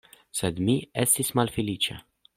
Sed mi estis malfeliĉa.